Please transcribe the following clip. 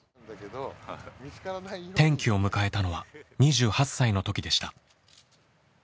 転機を迎えたのは２８歳の時でした。